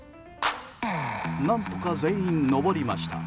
何とか全員、登りました。